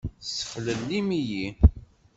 Tessexlellim-iyi!